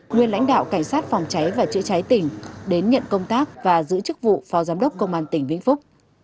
nguyên lãnh đạo cảnh sát phòng cháy và chữa cháy tỉnh đến nhận công tác và giữ chức vụ phó giám đốc công an tỉnh vĩnh phúc